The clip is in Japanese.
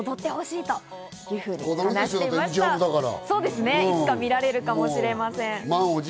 いつか見られるかもしれません。